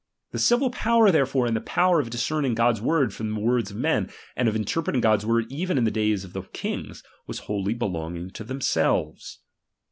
The civil power therefore, and the power of dis cerning God's word from the words of men, and of interpreting God's word even in the days of the kings, was wholly belonging to themselves.